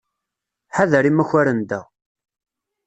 Ḥader imakaren da.